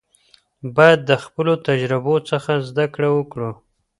باید د خپلو تجربو څخه زده کړه وکړو.